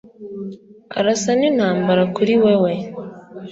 Arasa n'intambara kuri wewe